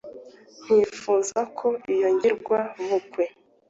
ntifuza ko iyo ngirwa bukwe